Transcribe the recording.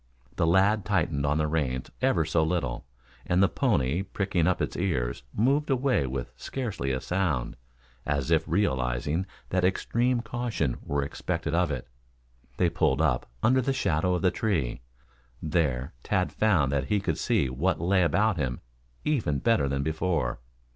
The lad tightened on the reins ever so little, and the pony pricking up its ears moved away with scarcely a sound, as if realizing that extreme caution were expected of it. They pulled up under the shadow of the tree. There, Tad found that he could see what lay about him even better than before.